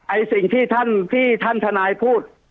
สิ่งที่ท่านทนายพูด